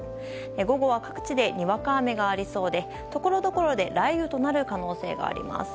午後は各地でにわか雨がありそうでところどころで雷雨となる可能性があります。